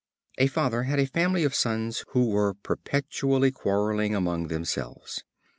A Father had a family of sons who were perpetually quarreling among themselves.